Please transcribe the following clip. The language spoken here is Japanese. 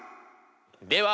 では。